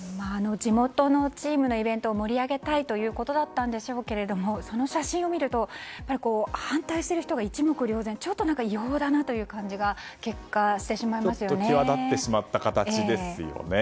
地元のチームのイベントを盛り上げたいということだったんでしょうけどその写真を見ると反対している人が一目瞭然、ちょっと異様だな際立ってしまった形ですよね。